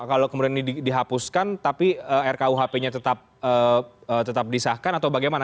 kalau kemudian ini dihapuskan tapi rkuhp nya tetap disahkan atau bagaimana